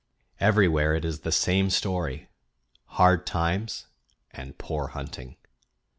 Everywhere it is the same story: hard times and poor hunting.